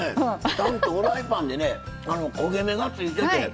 ちゃんとフライパンでね焦げ目がついてて。